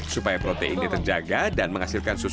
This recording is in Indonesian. supaya protein terjaga dan menghasilkan segaran